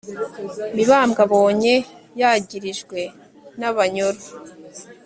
mibambwe abonye yagirijwe n'abanyoro